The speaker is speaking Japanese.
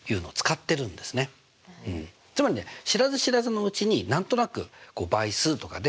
つまりね知らず知らずのうちに何となく倍数とかね